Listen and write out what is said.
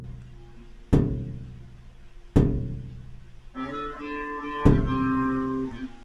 Tenía un título en Ciencias Políticas por la Universidad de Allahabad.